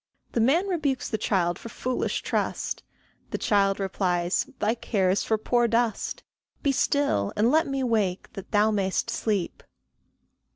The man rebukes the child for foolish trust; The child replies, "Thy care is for poor dust; Be still, and let me wake that thou mayst sleep."